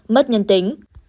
mất nhân tính